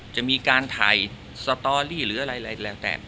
จะมีการถ่ายสตอรี่หรืออะไรแล้วแต่